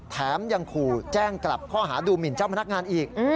แถมยังขู่แจ้งกลับข้อหาดูหมินเจ้าพนักงานอีก